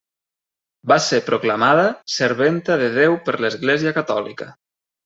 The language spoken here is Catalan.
Va ser proclamada serventa de Déu per l'Església catòlica.